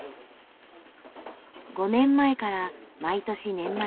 ５年前から毎年年末